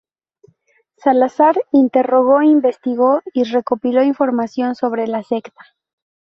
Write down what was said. Salazar, interrogó, investigó y recopiló información sobre la secta.